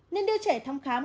nên đưa trẻ thăm khám